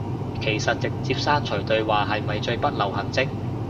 其實直接刪除對話係咪最不留痕跡